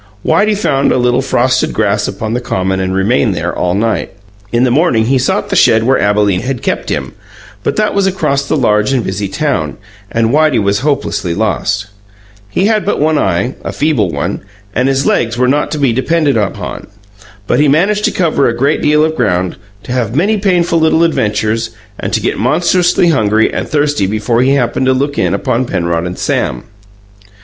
Whitey found a little frosted grass upon the common and remained there all night. In the morning he sought the shed where Abalene had kept him; but that was across the large and busy town, and Whitey was hopelessly lost. He had but one eye, a feeble one, and his legs were not to be depended upon; but he managed to cover a great deal of ground, to have many painful little adventures, and to get monstrously hungry and thirsty before he happened to look in upon Penrod and Sam.